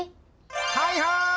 はいはい！